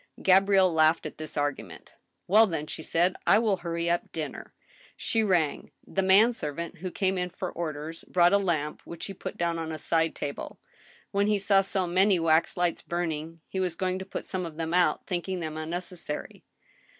Gabrielle laughed at this argument. " Well, then," she said, " I will hurry up dinner." She rang. The man servant, who came in for orders, brought a lamp, which he put down on a side table. When he saw so many wax lights burning he was going to put some of theni out, thinking them unnecessary.